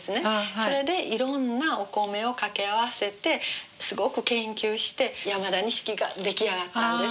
それでいろんなお米をかけ合わせてすごく研究して山田錦が出来上がったんです。